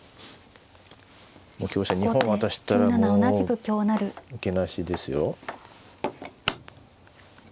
香車２本渡したらもう受けなしですよ。